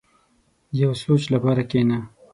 • د یو سوچ لپاره کښېنه.